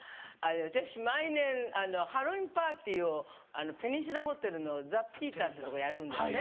私毎年ハロウィーンパーティーをペニンシュラホテルのＰｅｔｅｒっていうとこでやるんですね。